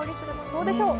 どうでしょう？